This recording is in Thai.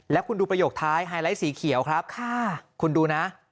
แล้วคุณดูประโยคท้ายไฮไลท์สีเขียวครับคุณดูนะ